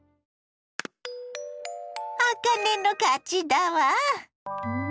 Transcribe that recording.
あかねの勝ちだわ。